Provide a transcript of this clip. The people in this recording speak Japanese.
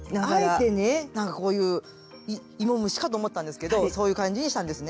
なんかこういう芋虫かと思ったんですけどそういう感じにしたんですね。